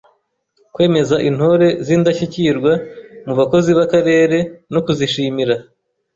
Kwemeza Intore z’indashyikirwa mu bakozi b’Akarere no kuzishimira;